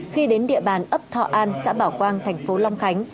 khi đến địa bàn ấp thọ an xã bảo quang thành phố long khánh